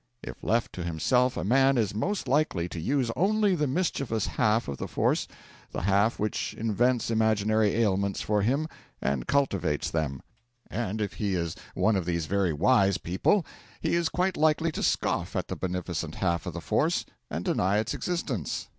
If left to himself a man is most likely to use only the mischievous half of the force the half which invents imaginary ailments for him and cultivates them: and if he is one of these very wise people he is quite likely to scoff at the beneficent half of the force and deny its existence.